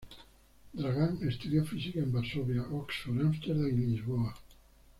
Dragan estudió física en Varsovia, Oxford, Amsterdam y Lisboa.